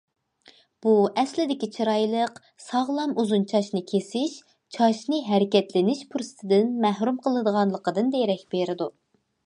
بۇ ئەسلىدىكى چىرايلىق، ساغلام، ئۇزۇن چاچنى كېسىش چاچنى ھەرىكەتلىنىش پۇرسىتىدىن مەھرۇم قىلىدىغانلىقىدىن دېرەك بېرىدۇ.